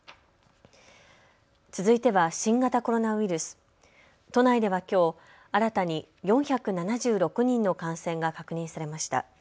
続いては新型コロナウイルス、都内ではきょう、新たに４７６人の感染が確認されました。